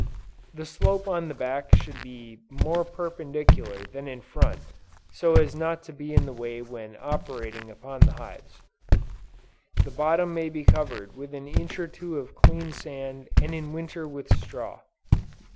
The slope on the back should be more perpendicular than in front so as not to be in the way when operating upon the hives. The bottom may be covered with an inch or two of clean sand and in winter with straw.